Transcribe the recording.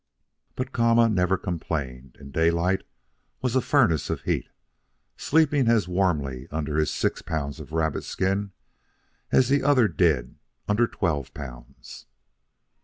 But Kama never complained, and Daylight was a furnace of heat, sleeping as warmly under his six pounds of rabbit skins as the other did under twelve pounds.